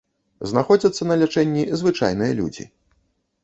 Знаходзяцца на лячэнні звычайныя людзі.